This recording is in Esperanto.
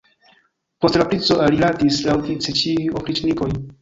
Post la princo aliradis laŭvice ĉiuj opriĉnikoj.